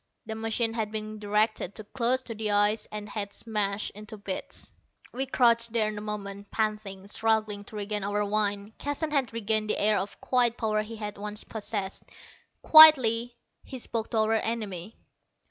The machine had been directed too close to the ice and had smashed into bits. We crouched there a moment, panting, struggling to regain our wind. Keston had regained the air of quiet power he had once possessed. Quietly he spoke to our enemy.